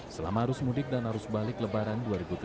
selama arus mudik dan arus balik lebaran dua ribu tujuh belas